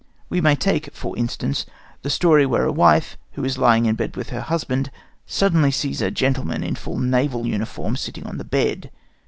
We may take, for instance, the story where a wife, who is lying in bed with her husband, suddenly sees a gentleman dressed in full naval uniform sitting on the bed.